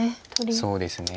そうですね。